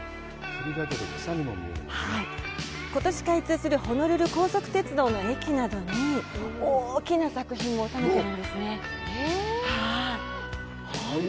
ことし開通するホノルル高速鉄道の駅などに大きな作品も納めているんですね。